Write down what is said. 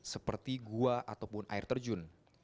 seperti gua ataupun air terjun